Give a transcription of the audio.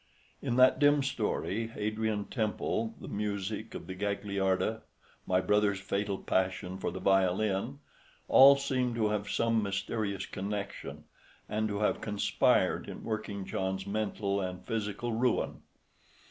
In that dim story Adrian Temple, the music of the Gagliarda, my brother's fatal passion for the violin, all seemed to have some mysterious connection, and to have conspired in working John's mental and physical ruin.